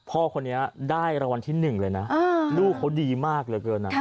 พ่อคนนี้ได้ระวัลที่หนึ่งเลยนะลูกเขาดีมากเลยเกิน